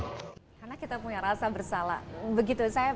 karena kita punya rasa bersalah begitu saya